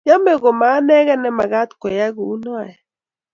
yochei komo anegei nemekaat ayai kou noee